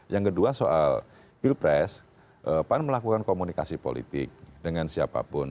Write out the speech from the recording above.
yang kedua soal pilpres pan melakukan komunikasi politik dengan siapapun